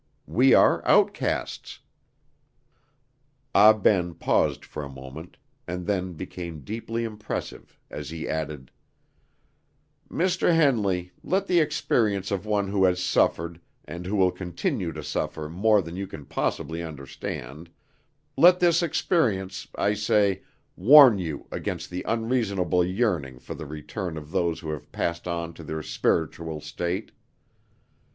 We are outcasts." Ah Ben paused for a moment, and then became deeply impressive, as he added: "Mr. Henley, let the experience of one who has suffered, and who will continue to suffer more than you can possibly understand let his experience, I say, warn you against the unreasonable yearning for the return of those who have passed on to their spiritual state!